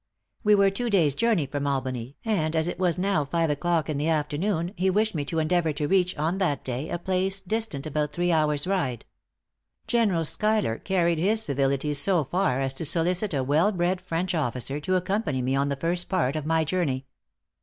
We were two days' journey from Albany, and as it was now five o'clock in the afternoon, he wished me to endeavor to reach, on that day, a place distant about three hour's ride. General Schuyler carried his civilities so far as to solicit a well bred French officer to accompany me on that first part of my journey.